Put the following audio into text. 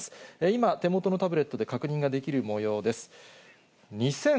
今、手元のタブレットで確認ができるもようです。